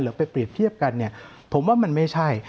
หรือไปเปรียบเทียบกันผมว่ามันไม่ใช่